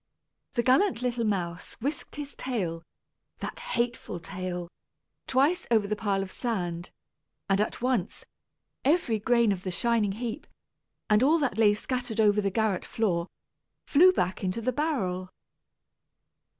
The gallant little mouse whisked his tail (that hateful tail!), twice over the pile of sand, and at once, every grain of the shining heap, and all that lay scattered over the garret floor, flew back into the barrel.